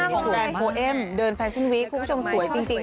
ของแดนโฮเอ็มเดินแฟชั่นวีคคุณผู้ชมสวยจริง